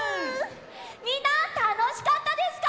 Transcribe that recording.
みんなたのしかったですか？